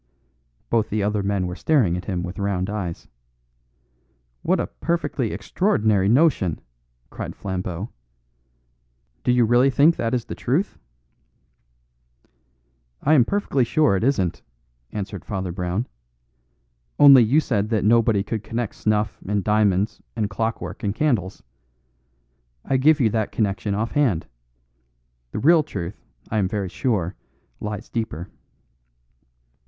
Both the other men were staring at him with round eyes. "What a perfectly extraordinary notion!" cried Flambeau. "Do you really think that is the truth?" "I am perfectly sure it isn't," answered Father Brown, "only you said that nobody could connect snuff and diamonds and clockwork and candles. I give you that connection off hand. The real truth, I am very sure, lies deeper."